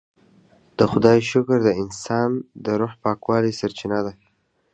د خدای شکر د انسان د روح پاکوالي سرچینه ده.